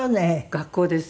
学校です。